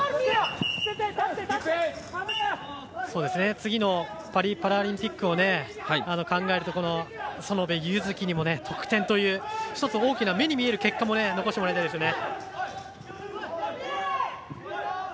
次のパリパラリンピックを考えると、園部優月にも得点という１つ大きな目に見える結果も残してもらいたいですよね。